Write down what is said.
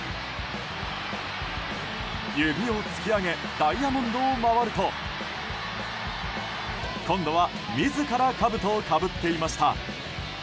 指を突き上げダイヤモンドを回ると今度は自らかぶとをかぶっていました。